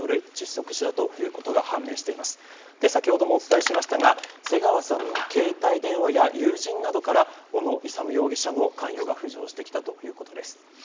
先ほどもお伝えしましたが瀬川さんの携帯電話や友人などから小野勇容疑者の関与が浮上してきたということです。